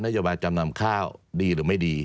โยบายจำนำข้าวดีหรือไม่ดี